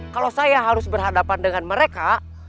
kalau saya harus berhadapan dengan mereka